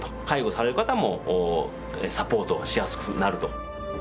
介護される方もサポートしやすくなると。